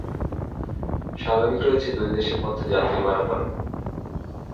স্বাভাবিক রয়েছে দুই দেশের মধ্যে যাত্রী পারাপারও।